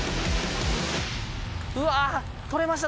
うわ取れました！